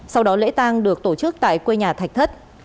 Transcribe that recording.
sau đó lễ tang được tổ chức tại quê nhà thạch thất